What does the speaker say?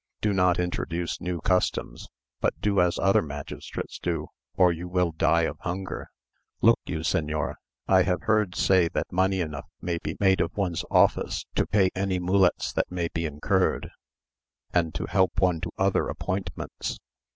Do not introduce new customs, but do as other magistrates do, or you will die of hunger. Look you, señor, I have heard say that money enough may be made of one's office to pay any mulets that may be incurred, and to help one to other appointments."